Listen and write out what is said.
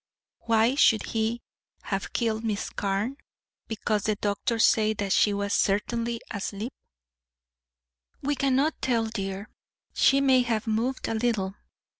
Why should he have killed Miss Carne, because the doctors say that she was certainly asleep?" "We cannot tell, dear. She may have moved a little.